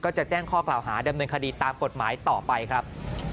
จะแจ้งข้อกล่าวหาดำเนินคดีตามกฎหมายต่อไปครับ